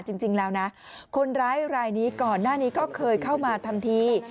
จริงแล้วนะคนร้ายรายนี้ก่อนหน้านี้ก็เคยเข้ามาทำที